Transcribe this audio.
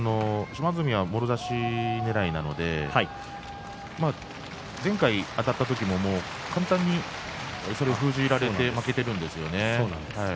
島津海もろ差しねらいなので前回あたった時も簡単にそれを封じられて負けているんですね。